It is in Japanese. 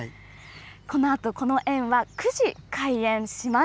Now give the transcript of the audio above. このあと、この園は９時開園します。